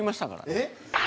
えっ！